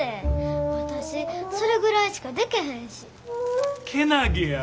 私それぐらいしかでけへんし。